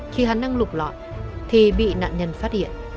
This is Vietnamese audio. khi hắn đang lục lọ thì bị nạn nhân phát hiện